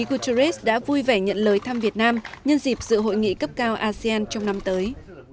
guterres đã vui vẻ nhận lời thăm việt nam nhân dịp dự hội nghị cấp cao asean trong năm tới